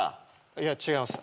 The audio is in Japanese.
いや違います。